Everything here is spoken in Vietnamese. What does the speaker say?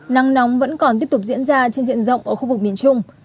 nắng nóng vẫn còn tiếp tục diễn ra trên diện rộng ở khu vực miền trung